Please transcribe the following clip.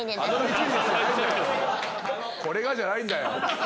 「これが」じゃないんだよ。